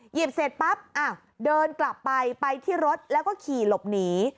หยิบเสร็จปั๊บเดินกลับไปไปที่รถแล้วก็ขี่หลบหนี